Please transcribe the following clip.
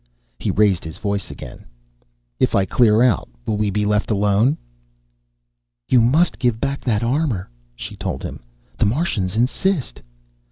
He raised his voice again: "If I clear out, will we be left alone?" "You must give back that armor," she told him. "The Martians insist."